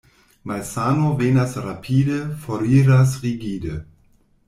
Malsano venas rapide, foriras rigide.